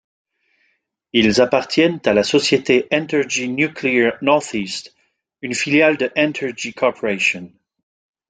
Ils appartiennent à la société Entergy Nuclear Northeast, une filiale de Entergy Corporation.